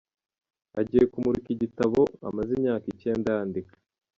Agiye kumurika igitabo amaze imyaka icyenda yandika